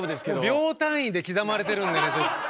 秒単位で刻まれてるんでねちょっと。